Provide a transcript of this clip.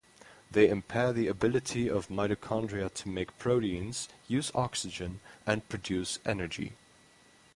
They impair the ability of mitochondria to make proteins, use oxygen, and produce energy.